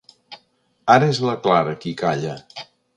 Ara és la Clara qui calla.